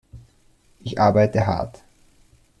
Ich arbeite hart!